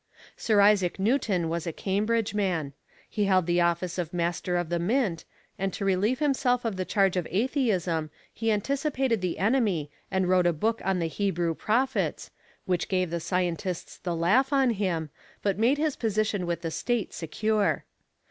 Sir Isaac Newton was a Cambridge man. He held the office of Master of the Mint, and to relieve himself of the charge of atheism he anticipated the enemy and wrote a book on the Hebrew Prophets, which gave the scientists the laugh on him, but made his position with the State secure.